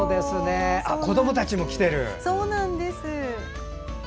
子どもたちも来てる。